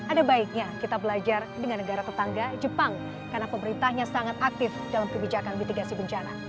ada baiknya kita belajar dengan negara tetangga jepang karena pemerintahnya sangat aktif dalam kebijakan mitigasi bencana